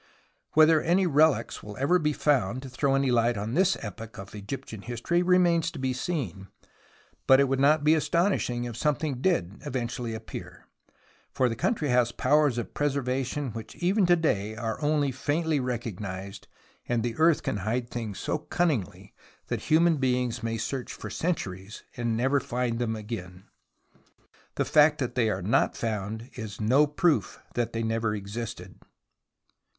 Whether any rehcs will ever be found to throw any light on this epoch of Egyptian history remains to be seen, but it would not be astonishing if something did eventually appear, for the country has powers of preservation which even to day are only faintly recognized, and the earth can hide things so cunningly that human 44 THE ROMANCE OF EXCAVATION beings may search for centuries and never find them again. The fact that they are not found is no proof that they never existed.